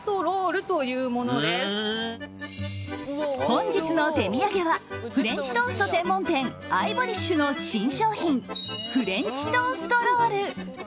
本日の手土産はフレンチトースト専門店Ｉｖｏｒｉｓｈの新商品フレンチトーストロール。